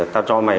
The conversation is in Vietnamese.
ta cho mày